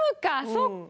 そっか。